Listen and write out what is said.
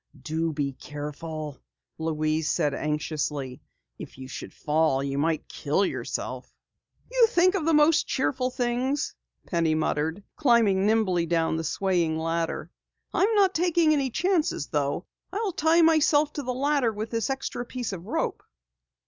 "Do be careful," Louise said anxiously. "If you should fall you might kill yourself." "You think of the most cheerful things," Penny muttered, climbing nimbly down the swaying ladder. "I'm not taking any chances though. I'll tie myself to the ladder with this extra piece of rope."